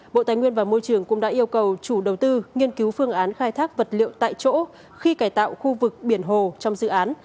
bộ tài nguyên và môi trường cũng đã yêu cầu chủ đầu tư nghiên cứu phương án khai thác vật liệu tại chỗ khi cải tạo khu vực biển hồ trong dự án